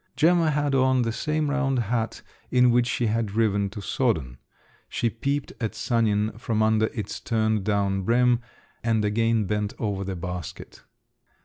Gemma had on the same round hat in which she had driven to Soden. She peeped at Sanin from under its turned down brim, and again bent over the basket.